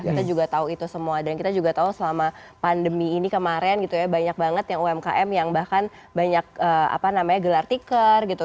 kita juga tahu itu semua dan kita juga tahu selama pandemi ini kemarin gitu ya banyak banget yang umkm yang bahkan banyak apa namanya gelar tikar gitu